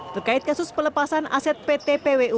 terkait kasus pelepasan aset pt pwu